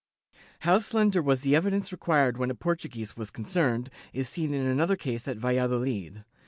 ^ How slender was the evidence required when a Portuguese was concerned is seen in another case at Valladolid.